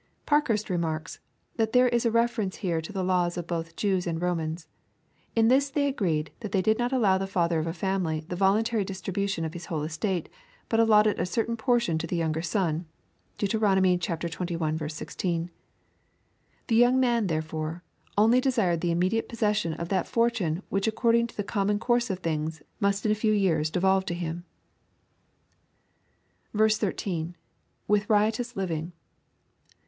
'] Parkhurst remarks, that " there is refer ence here to the laws both of Jews and Romans. In this they agreed that they did not allow the father of a family the voluntary distribution of his whole estate, but allotted a certain portion to the younger son. (Deut xxL 16.) The young man, therefore, only desired the immediate possession of that fortune which ac cording to the common course of things, must in a few years devolve to him." 13. —[ With riotous living!